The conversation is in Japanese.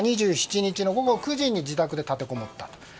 ２７日の午後９時に自宅で立てこもったと。